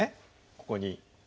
ここに。